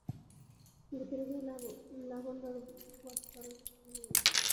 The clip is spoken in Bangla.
ভিতরে গিয়ে লাবণ্যর বসবার ঘরে গেল।